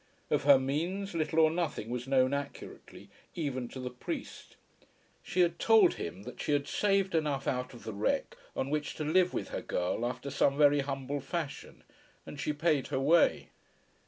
Of her means little or nothing was known accurately, even to the priest. She had told him that she had saved enough out of the wreck on which to live with her girl after some very humble fashion, and she paid her way.